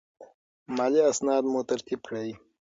مالي اسناد مو ترتیب کړئ.